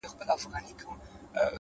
لوړ همت ناامیدي کمزورې کوي’